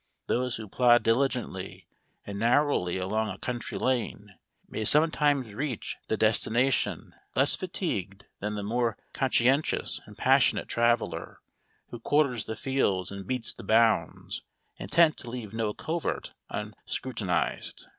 Those who plod diligently and narrowly along a country lane may sometimes reach the destination less fatigued than the more conscientious and passionate traveller who quarters the fields and beats the bounds, intent to leave no covert unscrutinized.